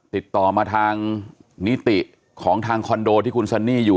ติดต่อมาทางนิติของทางคอนโดที่คุณซันนี่อยู่